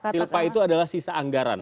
silpa itu adalah sisa anggaran